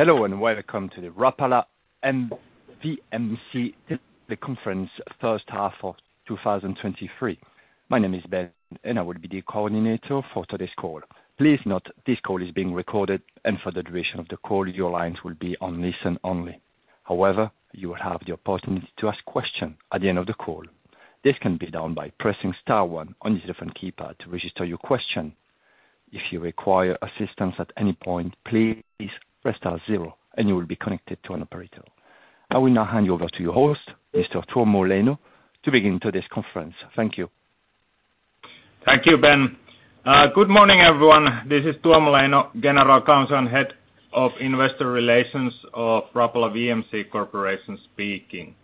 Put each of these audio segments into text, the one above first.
Hello, welcome to the Rapala and VMC, the conference, first half of 2023. My name is Ben, and I will be the coordinator for today's call. Please note, this call is being recorded, and for the duration of the call, your lines will be on listen only. However, you will have the opportunity to ask question at the end of the call. This can be done by pressing star one on your telephone keypad to register your question. If you require assistance at any point, please press star zero, and you will be connected to an operator. I will now hand you over to your host, Mr. Tuomo Leino, to begin today's conference. Thank you. Thank you, Ben. Good morning, everyone. This is Tuomo Leino, General Counsel and Head of Investor Relations of Rapala VMC Corporation, speaking.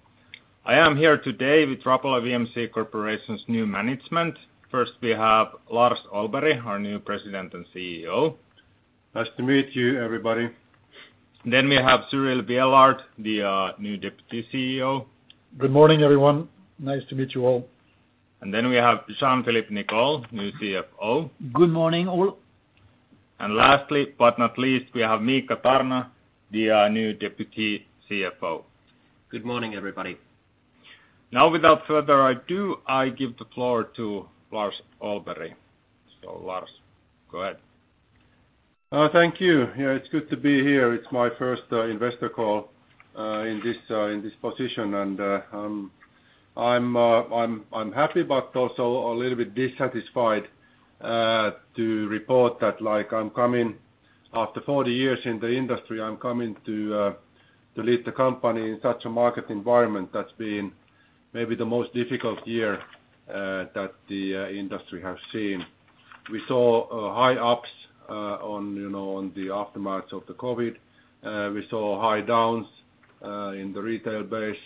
I am here today with Rapala VMC Corporation's new management. First, we have Lars Ollberg, our new President and CEO. Nice to meet you, everybody. We have Cyrille Viellard, the new Deputy CEO. Good morning, everyone. Nice to meet you all. We have Jean-Philippe Nicolle, new CFO. Good morning, all. lastly, but not least, we have Miikka Tarna, the new Deputy CFO. Good morning, everybody. Without further ado, I give the floor to Lars Ollberg. Lars, go ahead. Thank you. Yeah, it's good to be here. It's my first investor call in this position, and I'm happy but also a little bit dissatisfied to report that, like, I'm coming after 40 years in the industry, I'm coming to lead the company in such a market environment that's been maybe the most difficult year that the industry have seen. We saw high ups on, you know, on the aftermath of the COVID. We saw high downs in the retail base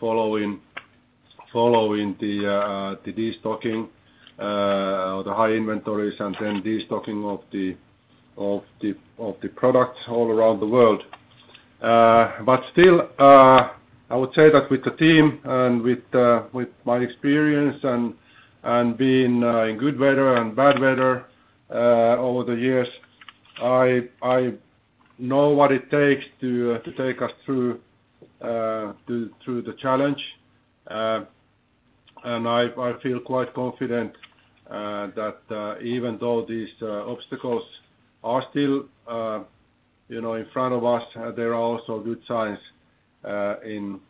following the destocking, the high inventories, and then destocking of the products all around the world. Still, I would say that with the team and with my experience and being in good weather and bad weather over the years, I know what it takes to take us through the challenge. I feel quite confident that even though these obstacles are still, you know, in front of us, there are also good signs in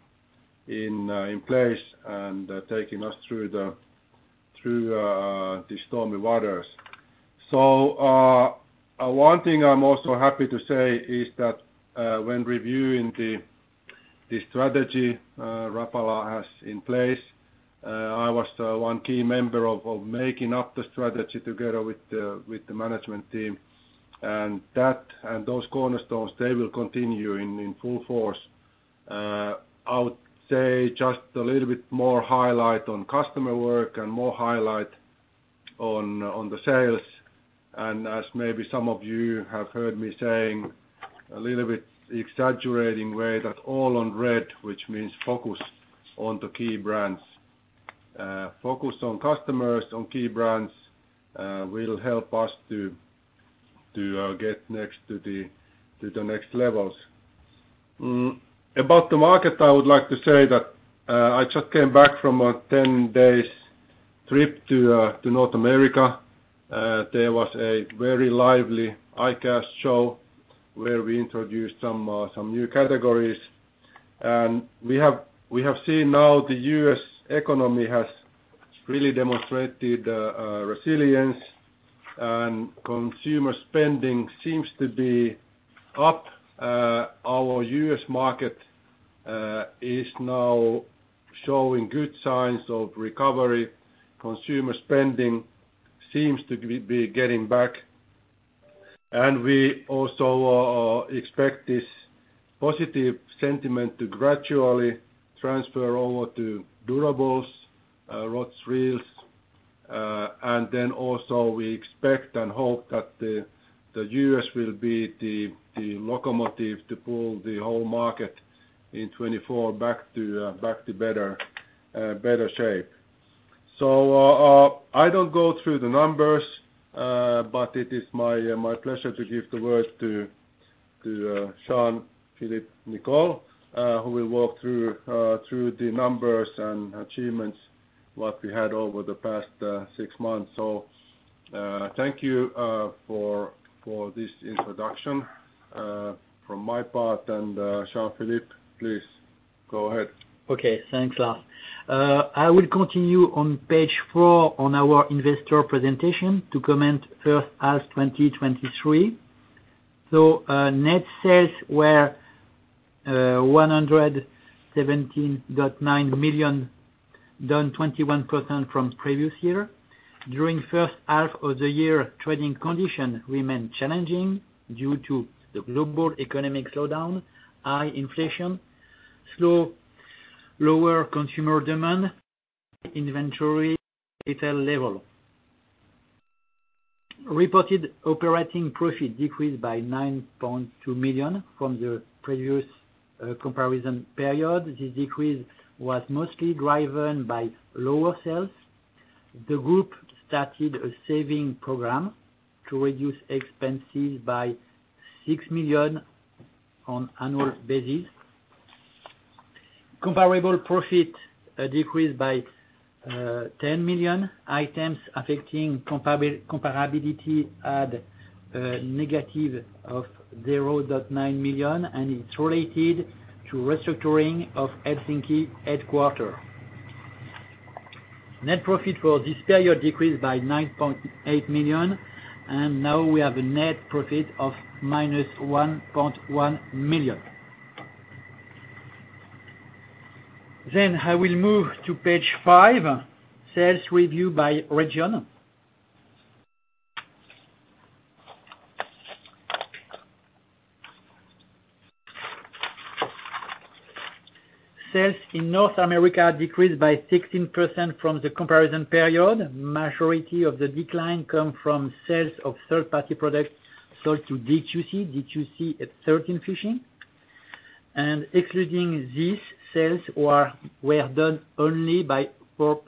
place and taking us through the stormy waters. One thing I'm also happy to say is that when reviewing the strategy Rapala has in place, I was one key member of making up the strategy together with the management team, and those cornerstones, they will continue in full force. I would say just a little bit more highlight on customer work and more highlight on the sales, as maybe some of you have heard me saying, a little bit exaggerating way, that all on red, which means focus on the key brands. Focus on customers, on key brands, will help us to get next to the next levels. About the market, I would like to say that I just came back from a 10 days trip to North America. There was a very lively ICAST show where we introduced some new categories. We have seen now the US economy has really demonstrated resilience, and consumer spending seems to be up. Our US market is now showing good signs of recovery. Consumer spending seems to be getting back, and we also expect this positive sentiment to gradually transfer over to durables, rods, reels. Also we expect and hope that the US will be the locomotive to pull the whole market in 2024 back to better shape. I don't go through the numbers, but it is my pleasure to give the word to Jean-Philippe Nicolle, who will walk through the numbers and achievements, what we had over the past six months. Thank you for this introduction from my part, and Jean-Philippe, please go ahead. Okay. Thanks, Lars. I will continue on page four on our investor presentation to comment first as 2023. Net sales were 117.9 million, down 21% from previous year. During first half of the year, trading condition remained challenging due to the global economic slowdown, high inflation, lower consumer demand, inventory retail level. Reported operating profit decreased by 9.2 million from the previous comparison period. This decrease was mostly driven by lower sales. The group started a saving program to reduce expenses by 6 million on annual basis. Comparable profit decreased by 10 million, items affecting comparability at negative of 0.9 million, it's related to restructuring of Helsinki headquarter. Net profit for this period decreased by 9.8 million, and now we have a net profit of minus 1.1 million. I will move to page five, sales review by region. Sales in North America decreased by 16% from the comparison period. Majority of the decline come from sales of third party products sold to DQC. DQC is certain fishing. Excluding these sales were done only by 4%.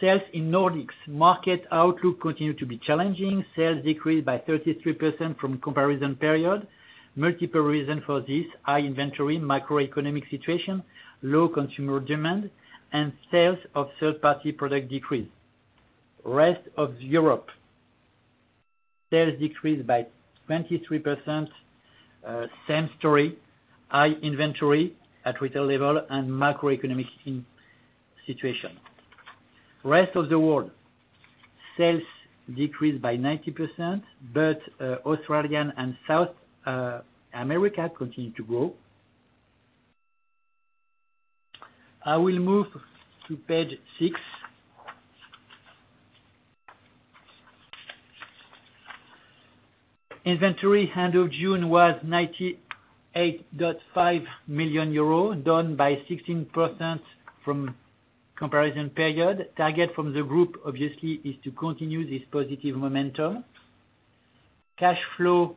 Sales in Nordics market outlook continue to be challenging. Sales decreased by 33% from comparison period. Multiple reason for this, high inventory, microeconomic situation, low consumer demand, and sales of third party product decreased. Rest of Europe, sales decreased by 23%. Same story, high inventory at retail level and macroeconomic situation. Rest of the world, sales decreased by 90%, but Australian and South America continue to grow. I will move to page six. Inventory end of June was 98.5 million euros, down by 16% from comparison period. Target from the group, obviously, is to continue this positive momentum. Cashflow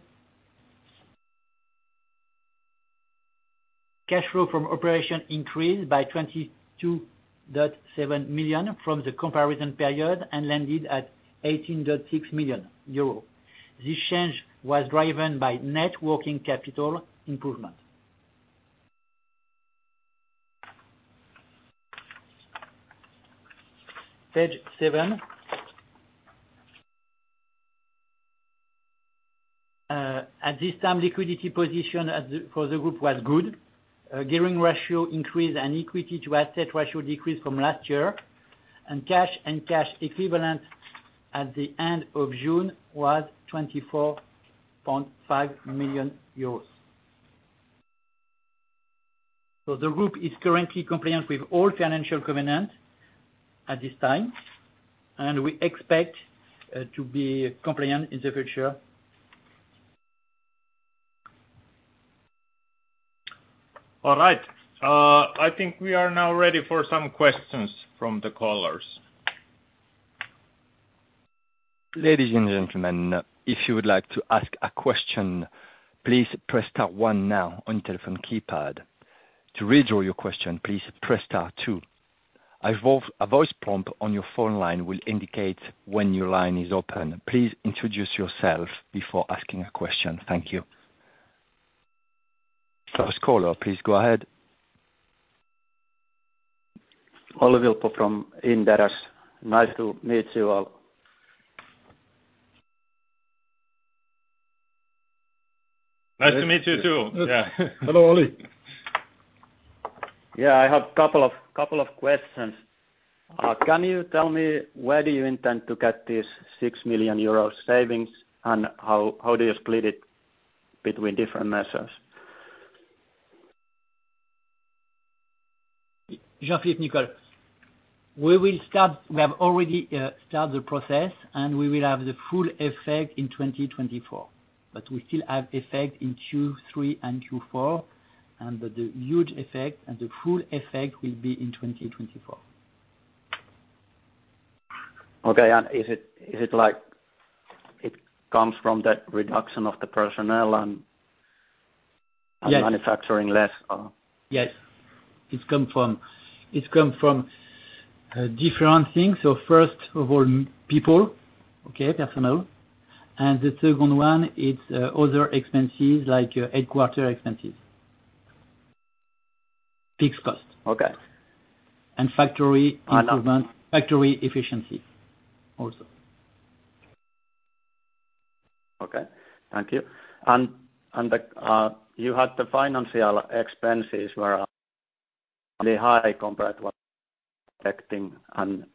from operation increased by 22.7 million from the comparison period and landed at 18.6 million euro. This change was driven by net working capital improvement. Page seven. At this time, liquidity position for the group was good. Gearing ratio increased and equity to asset ratio decreased from last year. Cash and cash equivalent at the end of June was 24.5 million euros. The group is currently compliant with all financial covenants at this time, and we expect to be compliant in the future. All right. I think we are now ready for some questions from the callers. Ladies and gentlemen, if you would like to ask a question, please press star one now on your telephone keypad. To withdraw your question, please press star two. A voice prompt on your phone line will indicate when your line is open. Please introduce yourself before asking a question. Thank you. First caller, please go ahead. Olli Vilppo from Inderes. Nice to meet you all. Nice to meet you, too. Hello, Olli. Yeah, I have couple of questions. Can you tell me where do you intend to get this 6 million euros savings, and how do you split it between different measures? Jean-Philippe Nicolle. We have already started the process, and we will have the full effect in 2024, but we still have effect in Q3 and Q4, but the huge effect, and the full effect will be in 2024. Okay, is it like it comes from that reduction of the personnel...? Yes manufacturing less, or? Yes. It's come from, different things. First of all, people, okay, personnel. The second one is, other expenses, like, headquarter expenses. Fixed cost. Okay. Factory improvement. And now- Factory efficiency, also. Okay, thank you. You had the financial expenses were really high compared what expecting, and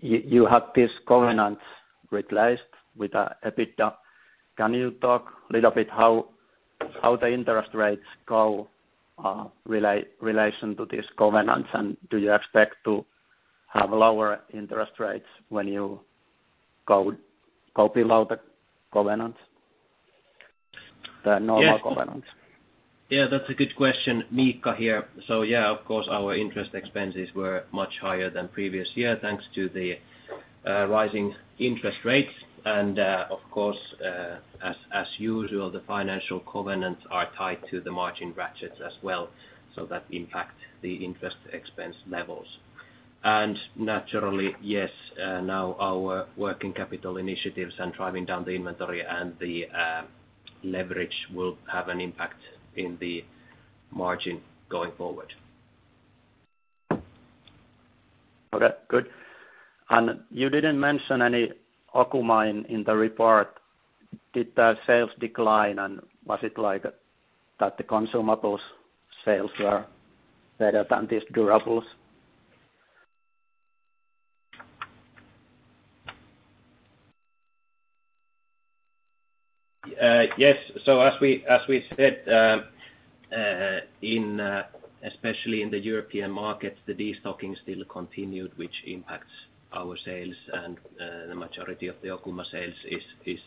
you had this covenants replaced with EBITDA. Can you talk a little bit how the interest rates go relation to this covenants? Do you expect to have lower interest rates when you go below the covenants, the normal covenants? Yes. Yeah, that's a good question. Miikka here. Yeah, of course, our interest expenses were much higher than previous year. Thanks to the rising interest rates. Of course, as usual, the financial covenants are tied to the margin ratchets as well, so that impact the interest expense levels. Naturally, yes, now our working capital initiatives and driving down the inventory and the leverage will have an impact in the margin going forward. Okay, good. You didn't mention any Okuma in the report. Did the sales decline, and was it like that the consumables sales were better than these durables? Yes. As we said, in especially in the European markets, the destocking still continued, which impacts our sales and the majority of the Okuma sales is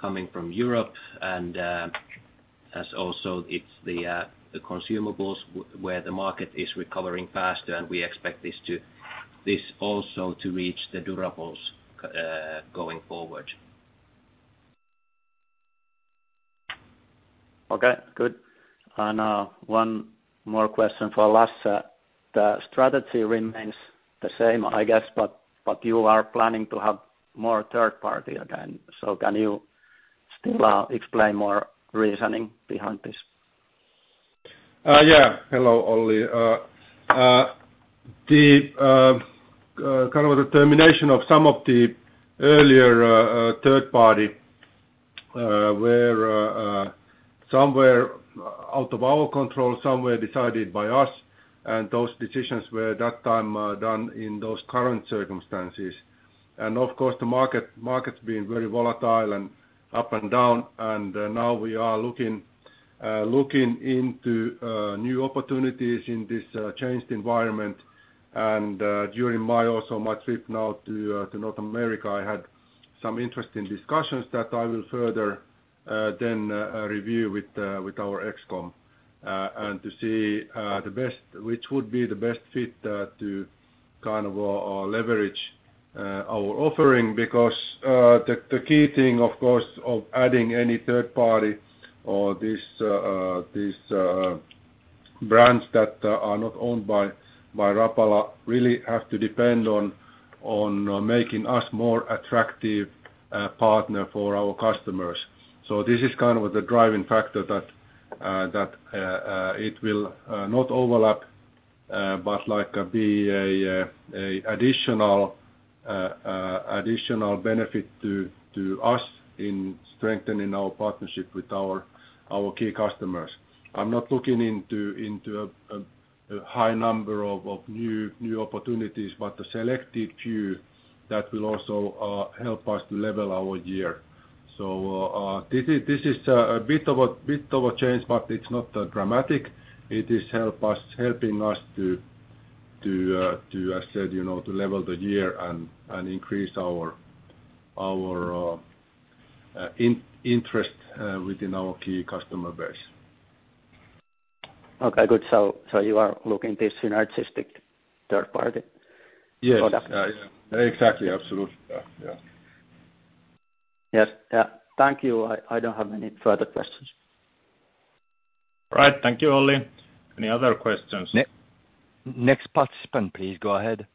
coming from Europe. As also it's the consumables where the market is recovering faster, and we expect this also to reach the durables going forward. Okay, good. One more question for Lars. The strategy remains the same, I guess, but you are planning to have more third party again. Can you still explain more reasoning behind this? Yeah. Hello, Olli. The kind of the termination of some of the earlier, third party, where somewhere out of our control, somewhere decided by us, and those decisions were at that time, done in those current circumstances. Of course, the market's been very volatile and up and down, and now we are looking into, new opportunities in this, changed environment. During my also my trip now to North America, I had some interesting discussions that I will further, then, review with our ExCom, and to see, which would be the best fit, to kind of, leverage, our offering. Because the key thing, of course, of adding any third party or these brands that are not owned by Rapala, really have to depend on making us more attractive partner for our customers. This is kind of the driving factor that it will not overlap, but like be an additional benefit to us in strengthening our partnership with our key customers. I'm not looking into a high number of new opportunities, but a selected few that will also help us to level our year. This is a bit of a change, but it's not that dramatic. It is helping us to, as said, you know, to level the year and increase our interest within our key customer base. Okay, good. you are looking this synergistic third party? Yes. yeah. Exactly, absolutely. yeah. Yes, thank you. I don't have any further questions. All right. Thank you, Olli. Any other questions? Next participant, please go ahead.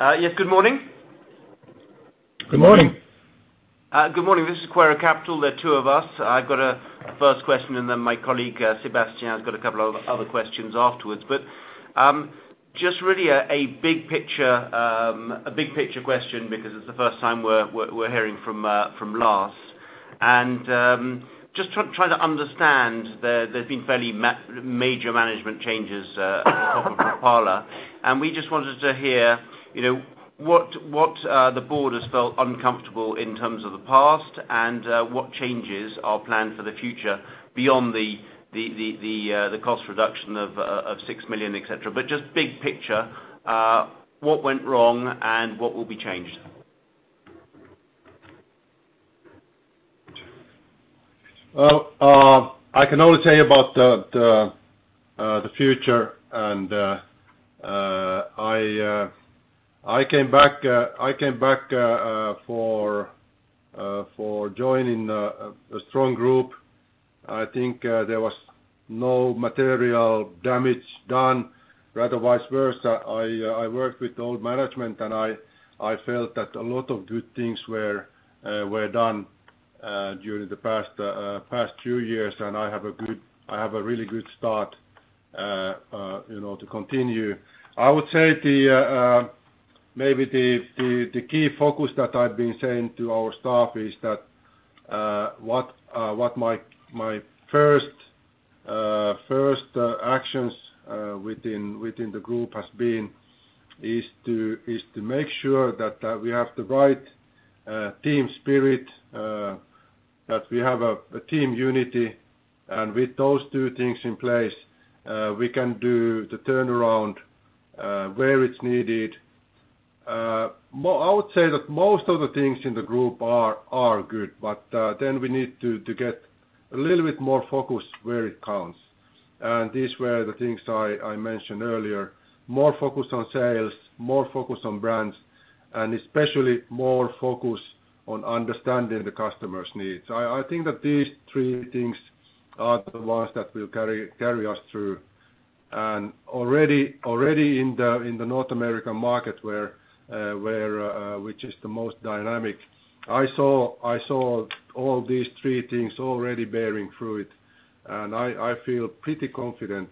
Yes, good morning. Good morning. Good morning. This is Quaero Capital. There are two of us. I've got a first question, then my colleague, Sebastian, has got a couple of other questions afterwards. Just really a big picture, a big picture question because it's the first time we're hearing from Lars. Just trying to understand, there's been fairly major management changes at the top of Rapala VMC, we just wanted to hear, you know, what the board has felt uncomfortable in terms of the past, what changes are planned for the future beyond the cost reduction of 6 million, etcetera. Just big picture, what went wrong and what will be changed? I can only tell you about the future, and I came back for joining a strong group. I think there was no material damage done. Rather, vice versa, I worked with the old management, and I felt that a lot of good things were done during the past two years, and I have a really good start, you know, to continue. I would say the maybe the key focus that I've been saying to our staff is that what my first actions within the group has been is to make sure that we have the right team spirit, that we have a team unity. With those two things in place, we can do the turnaround where it's needed. I would say that most of the things in the group are good, but then we need to get a little bit more focused where it counts. These were the things I mentioned earlier: more focused on sales, more focused on brands, and especially more focused on understanding the customer's needs. I think that these three things are the ones that will carry us through. Already in the North American market, where which is the most dynamic, I saw all these three things already bearing fruit. I feel pretty confident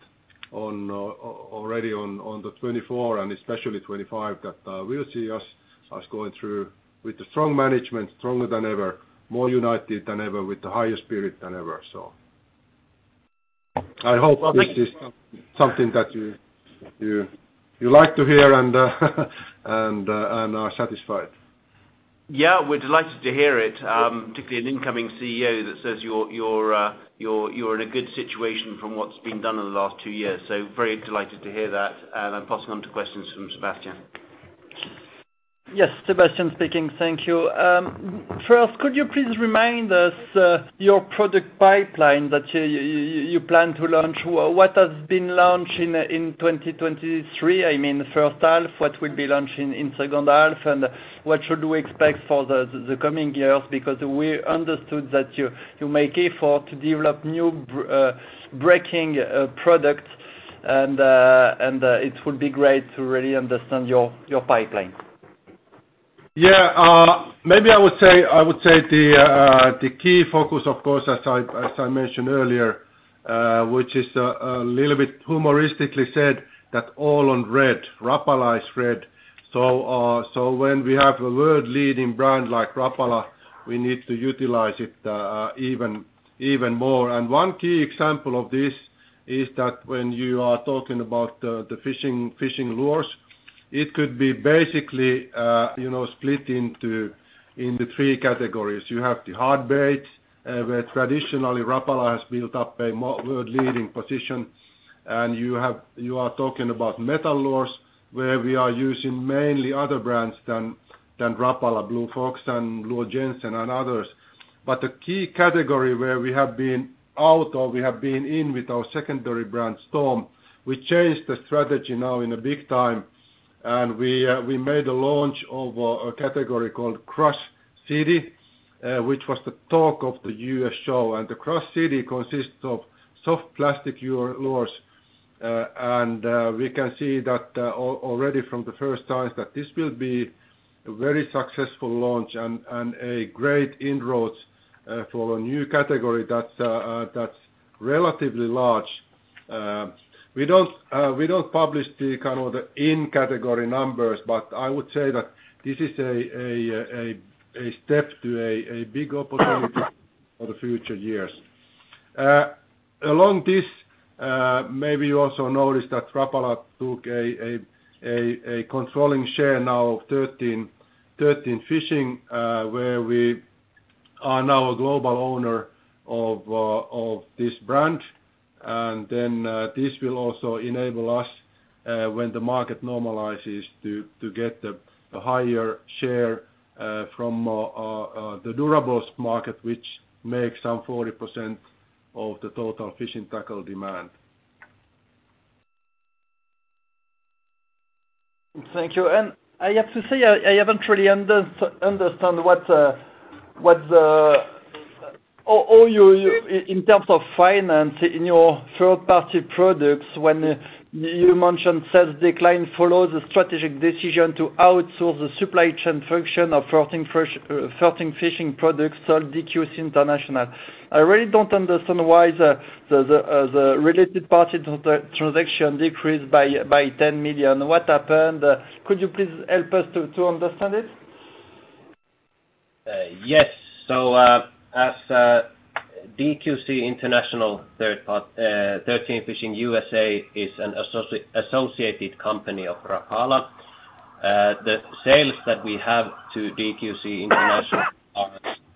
already on the '24 and especially '25, that will see us going through with a strong management, stronger than ever, more united than ever, with the higher spirit than ever. I hope this is something that you like to hear and are satisfied. Yeah, we're delighted to hear it, particularly an incoming CEO that says you're in a good situation from what's been done in the last two years. Very delighted to hear that. I'm passing on to questions from Sebastian. Yes, Sébastien speaking. Thank you. First, could you please remind us your product pipeline that you plan to launch? What has been launched in 2023? I mean, the first half, what will be launching in second half, and what should we expect for the coming years? Because we understood that you make effort to develop new breaking products, and it would be great to really understand your pipeline. Maybe I would say, I would say the key focus, of course, as I mentioned earlier, which is a little bit humoristically said, that all on red, Rapala is red. When we have a world-leading brand like Rapala, we need to utilize it even more. One key example of this is that when you are talking about the fishing lures, it could be basically, you know, split into three categories. You have the hard bait, where traditionally Rapala has built up a world-leading position. You are talking about metal lures, where we are using mainly other brands than Rapala, Blue Fox and Luhr-Jensen and others. The key category where we have been out or we have been in with our secondary brand, Storm, we changed the strategy now in a big time, and we made a launch of a category called Crush City, which was the talk of the U.S. show. The Crush City consists of soft plastic lures. We can see that already from the first time, that this will be a very successful launch and a great inroads for a new category that's relatively large. We don't publish the kind of the in-category numbers, but I would say that this is a step to a big opportunity for the future years. Along this, maybe you also noticed that Rapala took a controlling share now of 13 Fishing, where we are now a global owner of this brand. This will also enable us, when the market normalizes, to get a higher share from the durables market, which makes some 40% of the total fishing tackle demand. Thank you. I have to say, I haven't really understand what you, in terms of finance in your third-party products, when you mentioned sales decline follows a strategic decision to outsource the supply chain function of 13 Fishing products sold DQC International. I really don't understand why the, uh, the related party transaction decreased by 10 million. What happened? Could you please help us to understand it? Yes. So, as DQC International, third part, 13 Fishing USA is an associated company of Rapala. The sales that we have to DQC International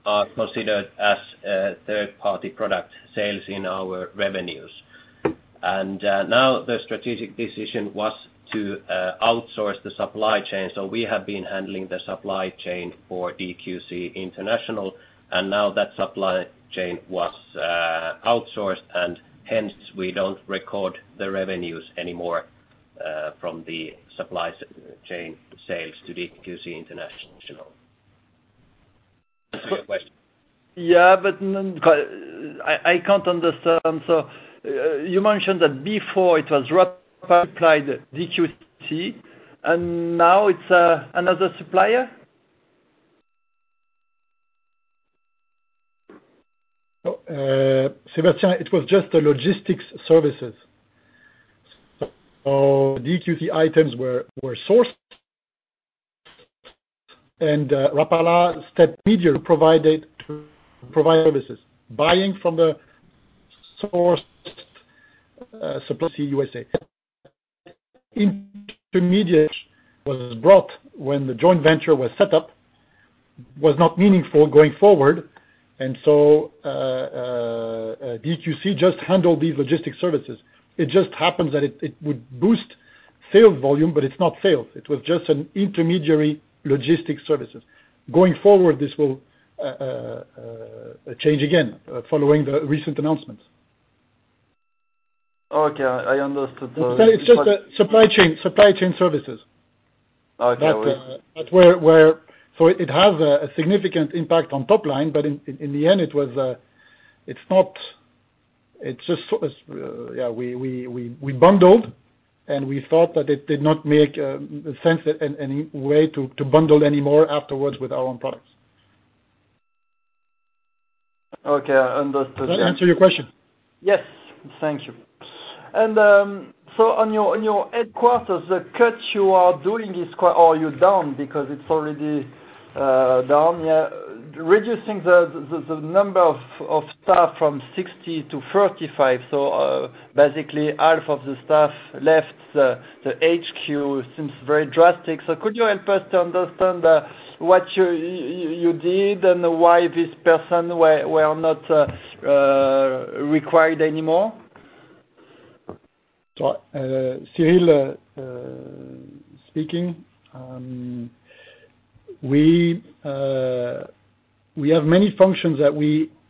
are considered as third-party product sales in our revenues. Now the strategic decision was to outsource the supply chain. We have been handling the supply chain for DQC International, and now that supply chain was outsourced, and hence we don't record the revenues anymore from the supply chain sales to DQC International. Good question. Yeah, I can't understand. You mentioned that before it was Rapala supplied DQC, and now it's another supplier? Sébastien it was just the logistics services. DQC items were sourced, and Rapala step provided to provide services, buying from the source, supply USA. Intermediate was brought when the joint venture was set up.... was not meaningful going forward, and so DQC just handled these logistic services. It just happened that it would boost sales volume, but it's not sales. It was just an intermediary logistic services. Going forward, this will change again following the recent announcements. Okay, I understood. It's just a supply chain, supply chain services. Okay, oui. So it has a significant impact on top line, but in the end, it was, it's not, it's just, yeah, we bundled, and we thought that it did not make sense in, any way to bundle anymore afterwards with our own products. Okay, I understood. Does that answer your question? Yes. Thank you. On your headquarters, the cuts you are doing is quite Or you're down because it's already down. Yeah, reducing the number of staff from 60 to 35, basically half of the staff left the HQ, seems very drastic. Could you help us to understand what you did and why this person were not required anymore? Cyrille Viellard speaking. We have many functions that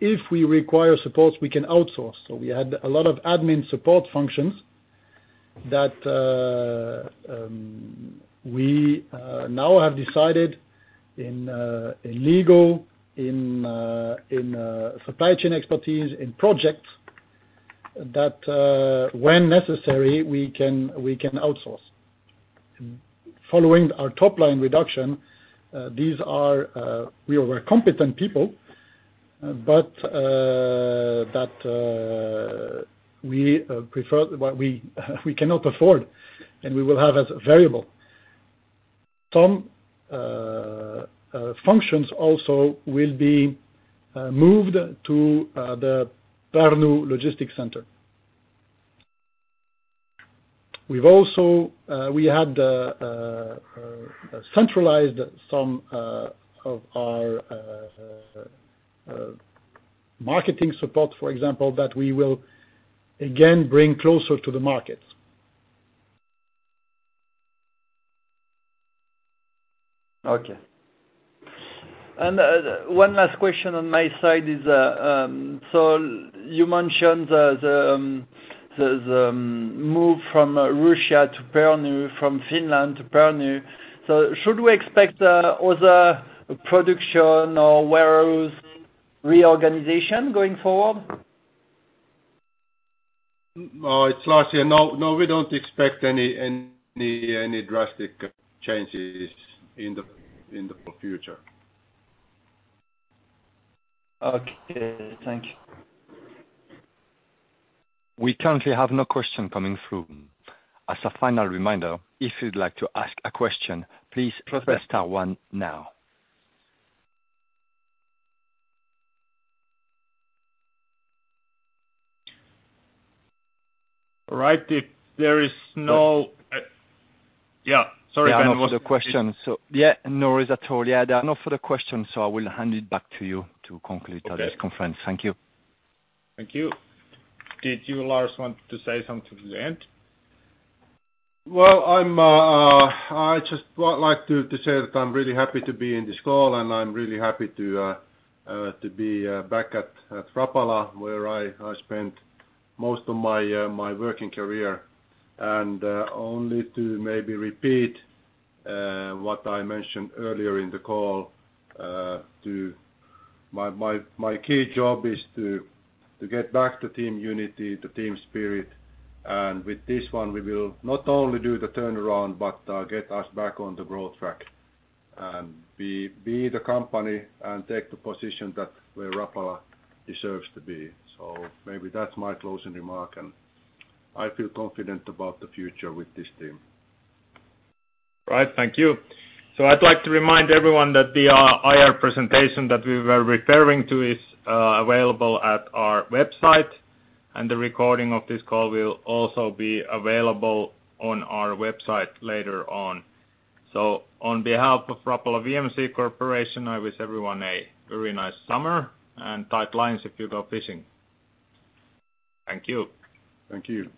if we require support, we can outsource. We had a lot of admin support functions that we now have decided in legal, in supply chain expertise, in projects, that when necessary, we can outsource. Following our top line reduction, these are really were competent people, but that we prefer, but we cannot afford, and we will have as variable. Some functions also will be moved to the Pärnu logistic center. We've also, we had centralized some of our marketing support, for example, that we will again bring closer to the market. Okay. One last question on my side is, you mentioned the move from Russia to Pärnu, from Finland to Pärnu. Should we expect other production or warehouse reorganization going forward? It's Lars here. No, we don't expect any drastic changes in the future. Okay. Thank you. We currently have no question coming through. As a final reminder, if you'd like to ask a question, please press star one now. All right, if there is no, Yeah, sorry. There are no further questions. Yeah, no worries at all. There are no further questions, so I will hand it back to you to conclude today's conference. Okay. Thank you. Thank you. Did you, Lars, want to say something to the end? Well, I'm, I just want like to say that I'm really happy to be in this call, and I'm really happy to be back at Rapala, where I spent most of my working career. Only to maybe repeat what I mentioned earlier in the call, my key job is to get back to team unity, to team spirit. With this one, we will not only do the turnaround, but get us back on the growth track and be the company and take the position that where Rapala deserves to be. Maybe that's my closing remark, and I feel confident about the future with this team. Right. Thank you. I'd like to remind everyone that the IR presentation that we were referring to is available at our website, and the recording of this call will also be available on our website later on. On behalf of Rapala VMC Corporation, I wish everyone a very nice summer and tight lines if you go fishing. Thank you. Thank you.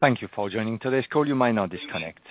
Thank you for joining today's call. You may now disconnect.